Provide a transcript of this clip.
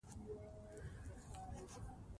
نورستان د افغانستان د صادراتو برخه ده.